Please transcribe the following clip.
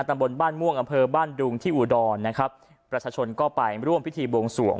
ตำบลบ้านม่วงอำเภอบ้านดุงที่อุดรนะครับประชาชนก็ไปร่วมพิธีบวงสวง